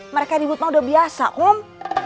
mereka di butma udah biasa kong